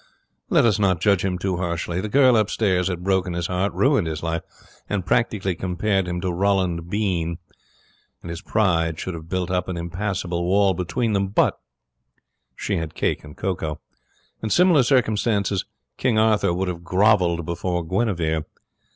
Let us not judge him too harshly. The girl upstairs had broken his heart, ruined his life, and practically compared him to Roland Bean, and his pride should have built up an impassable wall between them, but she had cake and cocoa. In similar circumstances King Arthur would have grovelled before Guinevere.